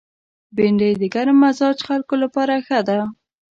بېنډۍ د ګرم مزاج خلکو لپاره ښه ده